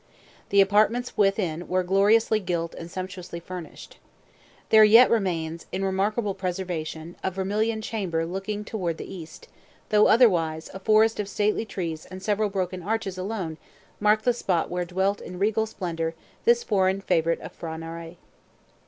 The apartments within were gorgeously gilt and sumptuously furnished. There yet remains, in remarkable preservation, a vermilion chamber looking toward the east; though, otherwise, a forest of stately trees and several broken arches alone mark the spot where dwelt in regal splendor this foreign favorite of P'hra Narai.